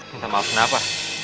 minta maaf kenapa